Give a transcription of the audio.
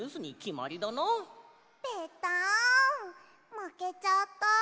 まけちゃった。